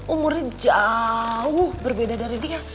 umurnya jauh berbeda dari dia